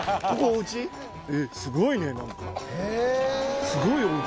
すごいねなんか。